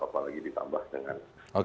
apalagi ditambah dengan